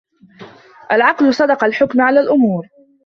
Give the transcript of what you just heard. العقل صدق الحكم على الأمور